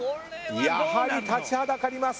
やはり立ちはだかります。